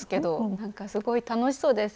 なんかすごい楽しそうです。